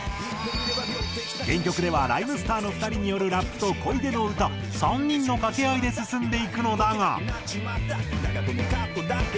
原曲ではＲＨＹＭＥＳＴＥＲの２人によるラップと小出の歌３人の掛け合いで進んでいくのだが。